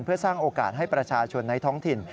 เพื่อสร้างโอกาสให้ประชาชนในท้องถิ่น